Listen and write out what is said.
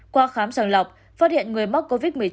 qua khám sàng lọc phát hiện người mắc covid một mươi chín